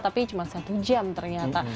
tapi cuma satu jam ternyata